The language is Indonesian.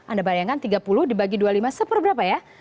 anda bayangkan tiga puluh dibagi dua puluh lima seperberapa ya